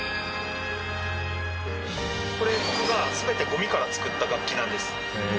これ僕が全てゴミから作った楽器なんです。